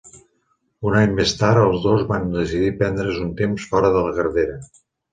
Un any més tard, els dos van decidir prendre"s un temps fora de la carretera.